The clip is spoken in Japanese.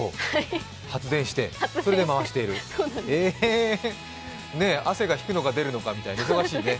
発電して、それで回している汗が引くのか、出るのか忙しいね。